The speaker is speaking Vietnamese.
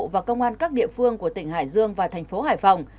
và công an các địa phương của tỉnh hải dương và thành phố hải phòng